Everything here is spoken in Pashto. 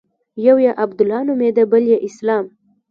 يو يې عبدالله نومېده بل يې اسلام.